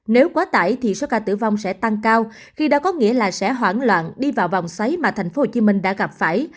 nếu quá tải thì số ca tử vong sẽ tăng cao khi đó có nghĩa là sẽ hoảng loạn đi vào vòng xáy mà thành phố hồ chí minh đã gặp phải